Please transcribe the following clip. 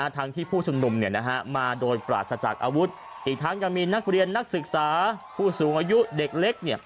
ทั้งที่ผู้ชุมนุมมาโดยปราศจากอาวุธอีกทั้งยังมีนักเรียนนักศึกษาผู้สูงอายุเด็กเล็ก